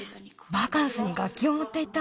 バカンスにがっきをもっていったの？